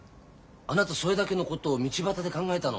あなたそれだけのことを道端で考えたの？